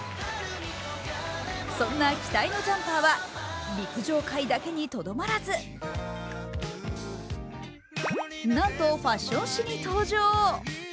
そんな期待のジャンパーは陸上界だけにとどまらずなんとファッション誌に登場。